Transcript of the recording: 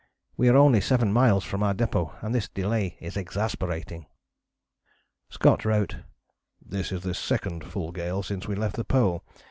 We are only seven miles from our depôt and this delay is exasperating." [Scott wrote: "This is the second full gale since we left the Pole.